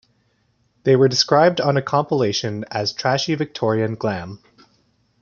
They were described on a compilation as "trashy Victorian glam".